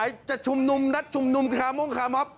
ไหนจะชุมนุมนัดชุมนุมคาม่วงคามอ๊อบ